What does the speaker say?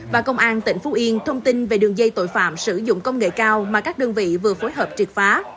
và công an tỉnh phú yên thông tin về đường dây tội phạm sử dụng công nghệ cao mà các đơn vị vừa phối hợp triệt phá